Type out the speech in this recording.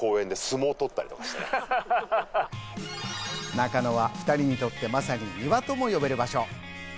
中野は２人にとって、まさに庭とも呼べる場所。